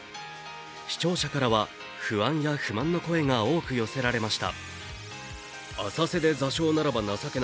視聴者からは、不安や不満の声が多く寄せられました。